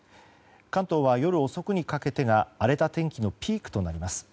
関東は夜遅くにかけて荒れた天気のピークとなります。